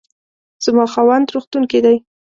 زما خاوند روغتون کې دی